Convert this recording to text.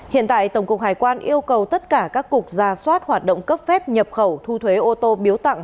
hiện tại tổng cục hải quan yêu cầu tất cả các cục ra soát hoạt động cấp phép nhập khẩu thu thuế ô tô biếu tặng